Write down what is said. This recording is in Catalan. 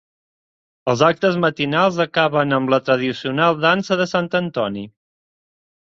Els actes matinals acaben amb la tradicional Dansa de Sant Antoni.